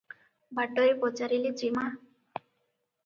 ବାଟରେ ପଚାରିଲେ, "ଯେମା ।